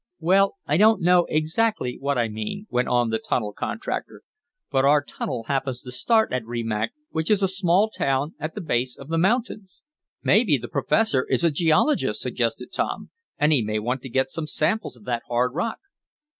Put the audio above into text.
"Well, I don't know exactly what I mean," went on the tunnel contractor, "but our tunnel happens to start at Rimac, which is a small town at the base of the mountains." "Maybe the professor is a geologist," suggested Tom, "and he may want to get some samples of that hard rock."